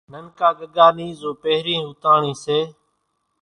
ننڪا ڳڳا نِي زو پھرين ھوتنڻي سي۔